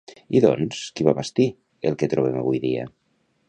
I doncs, qui va bastir el que trobem avui dia?